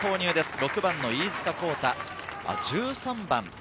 ６番の飯塚弘大、１３番。